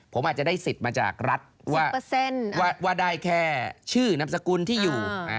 ผมอาจจะได้สิทธิ์มาจากรัฐว่าได้แค่ชื่อนามสกุลที่อยู่